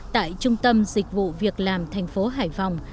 tại trung tâm dịch vụ việc làm tp hải phòng